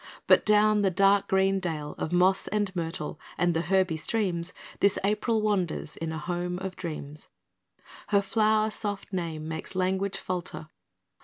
But down the dark green dale Of moss and myrtle, and the herby streams, This April wanders in a home of dreams; Her flower soft name makes language falter.